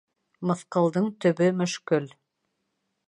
Мыҫҡылдың төбө мөшкөл.